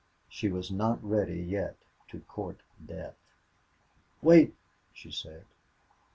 She was not ready yet to court death. "Wait," she said.